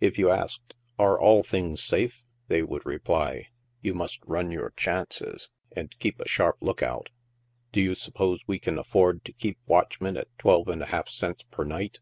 If yon asked " Are all things safe ?" they would reply, <( You must run your chances, and keep a sharp look out ; Do you suppose we can afford to keep watchmen at twelve and a half cents per night